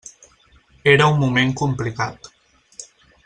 Era un moment complicat.